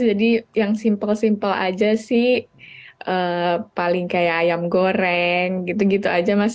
jadi yang simpel simpel aja sih paling kayak ayam goreng gitu gitu aja mas